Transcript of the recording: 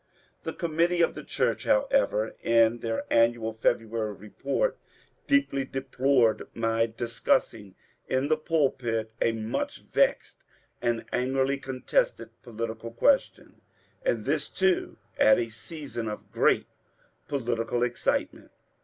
The committee of the church, however, in their annual (February) report, deeply deplored my discussing ^Mn the pulpit a much vexed and angrily contested political question, and this too at a season of great political excitement."